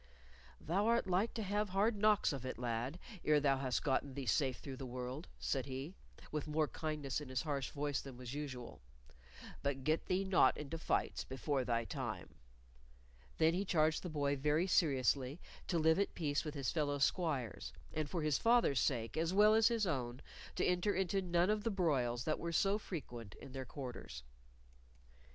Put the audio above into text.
"Thou art like to have hard knocks of it, lad, ere thou hast gotten thee safe through the world," said he, with more kindness in his harsh voice than was usual. "But get thee not into fights before thy time." Then he charged the boy very seriously to live at peace with his fellow squires, and for his father's sake as well as his own to enter into none of the broils that were so frequent in their quarters.